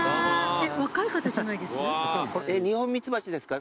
えっ若い方じゃないです？